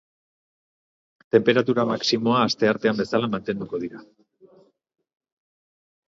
Tenperatura maximoa asteartean bezala mantenduko dira.